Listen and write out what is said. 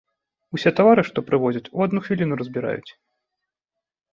Усе тавары, што прывозяць, у адну хвіліну разбіраюць.